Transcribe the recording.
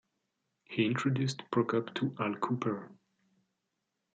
He introduced Prokop to Al Kooper.